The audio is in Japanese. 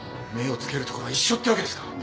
目を付けるところは一緒ってわけですか。